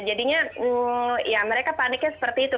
jadinya ya mereka paniknya seperti itu